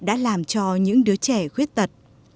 các thầy cô giáo đã làm cho những đứa trẻ khuyết tật